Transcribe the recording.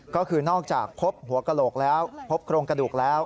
ก็คือนอกจากพบหัวกระโหลกแล้วพบโครงกระดูกแล้ว